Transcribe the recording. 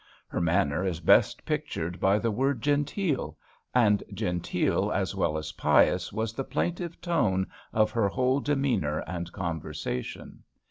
Her manner is best pictured by the word genteel, and genteel as well as pious was the plaintive tone of her whole demeanour and conversation.